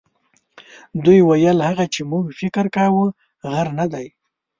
دوی ویل هغه چې موږ فکر کاوه غر نه دی.